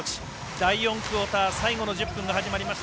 第４クオーター、最後の１０分が始まりました。